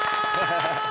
ハハハハ。